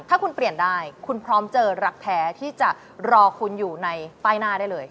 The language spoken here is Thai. ถ้าคุณเปลี่ยนได้คุณพร้อมเจอรักแท้ที่จะรอคุณอยู่ในป้ายหน้าได้เลย